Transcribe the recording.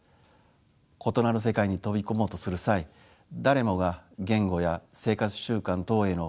異なる世界に飛び込もうとする際誰もが言語や生活習慣等への不安を感じることでしょう。